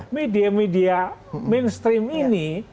media media mainstream ini